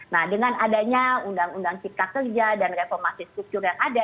nah dengan adanya undang undang cipta kerja dan reformasi struktur yang ada